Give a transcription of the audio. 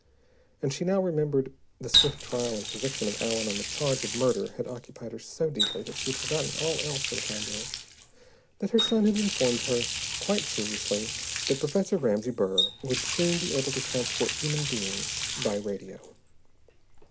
And she now remembered the swift trial and conviction of Allen on the charge of murder had occupied her so deeply that she had forgotten all else for the time being that her son had informed her quite seriously that Professor Ramsey Burr would soon be able to transport human beings by radio.